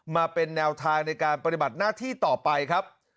มาเป็นแนวทางในการปฏิบัติหน้าที่ต่อไปครับ